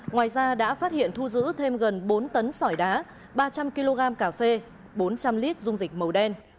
ngoài ra đã phát hiện thu giữ thêm gần bốn tấn sỏi đá ba trăm linh kg cà phê bốn trăm linh lít dung dịch màu đen